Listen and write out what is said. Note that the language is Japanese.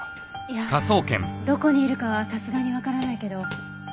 いやどこにいるかはさすがにわからないけど。